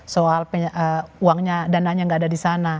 soal uangnya dana nya gak ada di sana